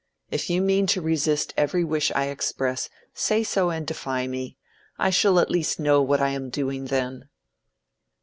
If you mean to resist every wish I express, say so and defy me. I shall at least know what I am doing then."